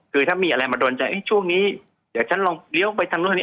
คือถ้ามีอะไรมาโดนใจช่วงนี้เดี๋ยวฉันลองเลี้ยวไปทางนู้นนี่